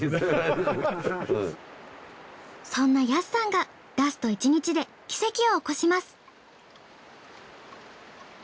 そんなやすさんがラスト１日で奇跡を起こします。